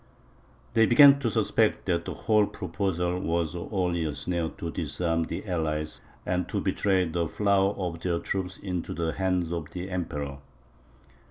They began to suspect that the whole proposal was only a snare to disarm the allies, and to betray the flower of their troops into the hands of the Emperor.